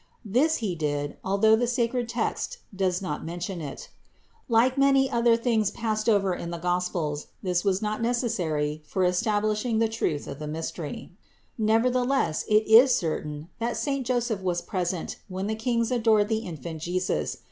This he did, although the sacred text does not mention it. Like many other things passed over in the Gospels, this was not neces sary for establishing the truth of the mystery. Never theless it is certain that saint Joseph was present when the Kings adored the infant Jesus.